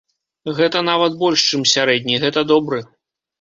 Гэта нават больш чым сярэдні, гэта добры.